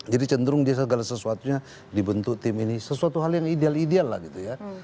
jadi cenderung dia segala sesuatunya dibentuk tim ini sesuatu hal yang ideal ideal lah gitu ya